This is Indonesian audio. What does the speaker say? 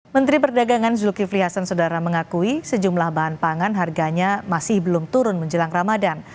menteri perdagangan zulkifli hasan saudara mengakui sejumlah bahan pangan harganya masih belum turun menjelang ramadan